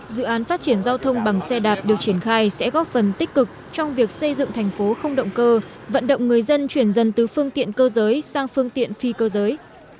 dự án phát triển giao thông bằng xe đạp được triển khai sẽ góp phần tích cực trong việc xây dựng thành phố không động cơ vận động người dân chuyển dần từ phương tiện cơ giới sang phương tiện phi cơ giới